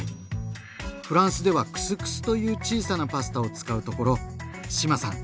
フランスではクスクスという小さなパスタを使うところ志麻さん